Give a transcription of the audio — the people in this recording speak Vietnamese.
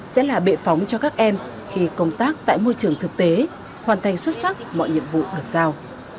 sẽ là bệ phóng cho các em khi công tác tại môi trường thực tế hoàn thành xuất sắc mọi nhiệm vụ được giao